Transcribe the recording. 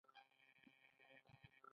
امیر صېب وې " ګذاره ئې شوې ده ـ